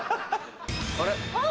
あれ？